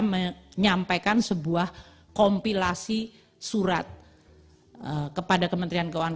menyampaikan sebuah kompilasi surat kepada kementerian keuangan